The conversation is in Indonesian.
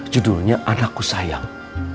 judulnya anakku sayang